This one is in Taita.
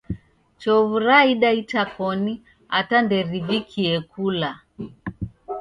Chovu raida itakoni ata nderivikie kula